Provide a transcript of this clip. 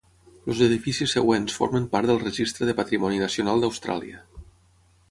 Els edificis següents formen part del registre de patrimoni nacional d'Austràlia.